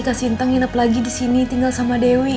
kasinta nginep lagi disini tinggal sama dewi ya